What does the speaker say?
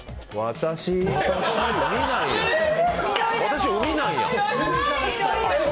私、海なんや？